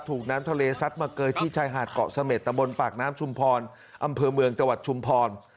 ถูกน้ำทะเลซัดมาเกยที่ชายหาดเกาะเสม็ดตะบนปากน้ำชุมพรอำเภอเมืองจังหวัดชุมพร